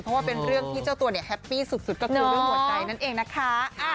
เพราะว่าเป็นเรื่องที่เจ้าตัวเนี่ยแฮปปี้สุดก็คือเรื่องหัวใจนั่นเองนะคะ